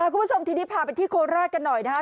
คุณผู้ชมทีนี้พาไปที่โคราชกันหน่อยนะครับ